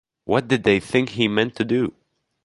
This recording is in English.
What did they think he meant to do?